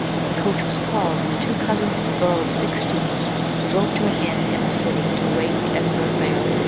The coach was called, and the two cousins and the girl of sixteen drove to an inn in the city to await the Edinburgh mail.